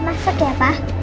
masuk ya pak